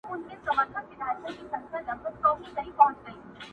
اوسېدله دوه ماران يوه ځنگله كي،